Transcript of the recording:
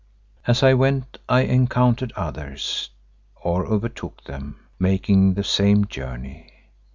As I went I encountered others, or overtook them, making the same journey.